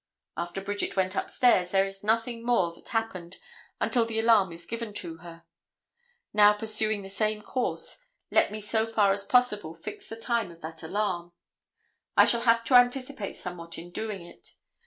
After Bridget went upstairs there is nothing more that happened until the alarm is given to her. Now, pursuing the same course, let me so far as possible fix the time of that alarm. I shall have to anticipate somewhat in doing it.